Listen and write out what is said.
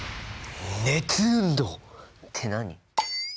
「熱運動」って何！？